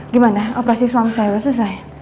gimana operasi suami saya udah selesai